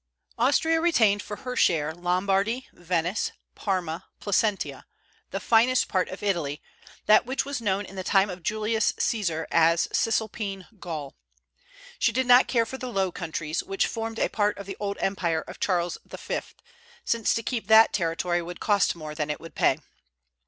Austria retained for her share Lombardy, Venice, Parma, Placentia, the finest part of Italy, that which was known in the time of Julius Caesar as Cisalpine Gaul. She did not care for the Low Countries, which formed a part of the old empire of Charles V., since to keep that territory would cost more than it would pay.